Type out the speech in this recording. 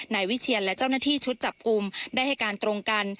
นายวิเชียนและเจ้าหน้าที่ชุดจับกลุ่มได้ให้การตรงกัน